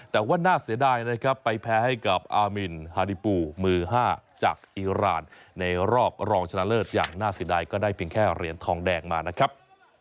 แต่ว่าน่าเสียดายนะครับไปแพ้ให้กับอามินฮาดิปูมือ๕จากอีรานในรอบรองชนะเลิศอย่างน่าเสียดายก็ได้เพียงแค่เหรียญทองแดงมานะครับ